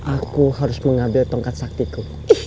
aku harus mengambil tongkat saktiku